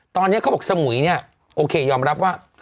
ตอนนี้เขาบอกสมุยเนี่ยโอเคยอมรับว่า